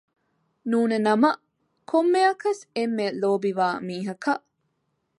ނޫނަނަމަ ކޮންމެއަކަސް އެންމެ ލޯބިވާ މީހަކަށް